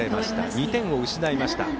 ２点を失いました。